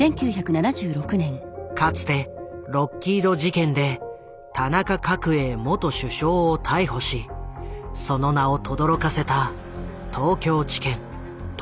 かつてロッキード事件で田中角栄元首相を逮捕しその名をとどろかせた東京地検特捜部。